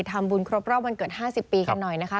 ทำบุญครบรอบวันเกิด๕๐ปีกันหน่อยนะคะ